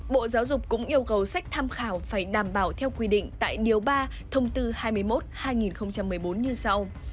bộ giáo dục cũng yêu cầu sách tham khảo phải đảm bảo theo quy định tại điều ba thông tư hai mươi một hai nghìn một mươi bốn như sau